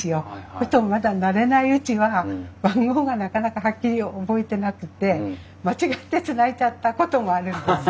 そうするとまだ慣れないうちは番号がなかなかはっきり覚えてなくて間違ってつないじゃったこともあるんです。